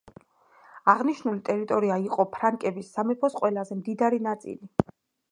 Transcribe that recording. აღნიშნული ტერიტორია იყო ფრანკების სამეფოს ყველაზე მდიდარი ნაწილი.